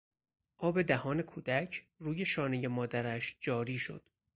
آبدهان کودک روی شانهی مادرش جاری شد.